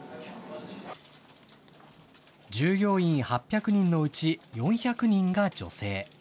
従業員８００人のうち４００人が女性。